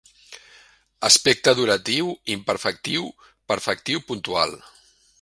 Aspecte duratiu, imperfectiu, perfectiu, puntual.